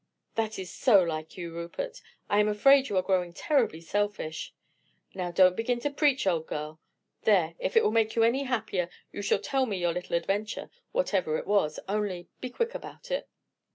"That is so like you, Rupert. I am afraid you are growing terribly selfish." "Now, don't begin to preach, old girl. There, if it will make you any happier you shall tell me your little adventure, whatever it was; only be quick about it."